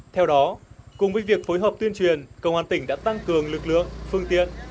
theo đó cùng với việc phối hợp tuyên truyền công an tỉnh đã tăng cường lực lượng phương tiện